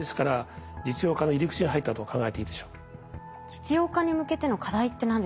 実用化に向けての課題って何ですか？